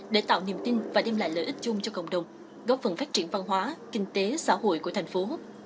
để tạo niềm tin và đem lại lợi ích chung cho cộng đồng góp phần phát triển văn hóa kinh tế xã hội của thành phố